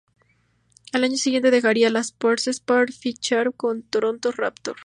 Al año siguiente dejaría los Pacers para fichar por Toronto Raptors.